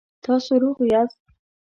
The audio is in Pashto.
تاسو روغ یاست؟